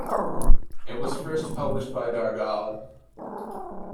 It was first published by Dargaud.